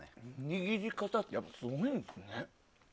握り方ってやっぱりすごいんですね。